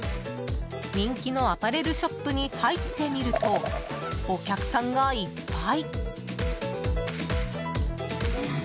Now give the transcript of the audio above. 人気のアパレルショップに入ってみるとお客さんがいっぱい。